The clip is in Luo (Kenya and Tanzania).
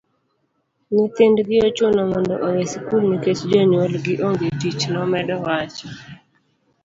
nyithindgi ochuno mondo owe sikul nikech jonyuol gi onge tich',nomedo wacho